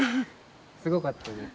すごかったです。